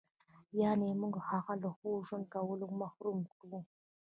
یعنې موږ هغه له ښه ژوند کولو محروم کړو.